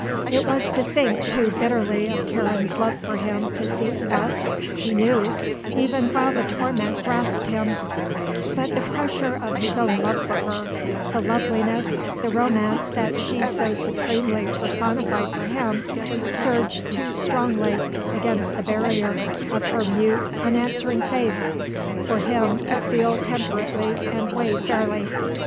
It was to think too bitterly of Karen's love for him to see it thus, he knew, even while the torment grasped him; but the pressure of his own love for her, the loveliness, the romance that she so supremely personified for him, surged too strongly against the barrier of her mute, unanswering face, for him to feel temperately and weigh fairly.